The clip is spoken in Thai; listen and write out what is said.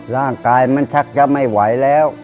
ร่างกายมันชักจะไม่ไหวแล้ว